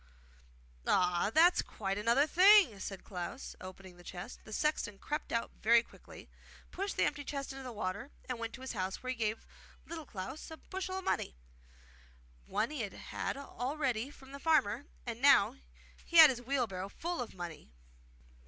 'Ah, that's quite another thing!' said Little Klaus, opening the chest. The sexton crept out very quickly, pushed the empty chest into the water and went to his house, where he gave Little Klaus a bushel of money. One he had had already from the farmer, and now he had his wheelbarrow full of money.